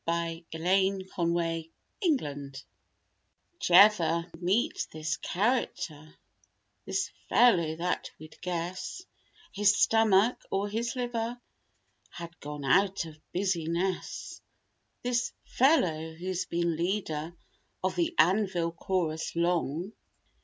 "YOU'RE LOOKING BAD" Jevver meet this character—this "fellow" that we'd guess His stomach or his liver had gone out of busi ness. This "fellow" who's been leader of the anvil chorus long.